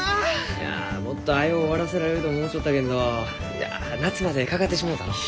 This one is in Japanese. いやもっと早う終わらせられると思うちょったけんどいや夏までかかってしもうたのう。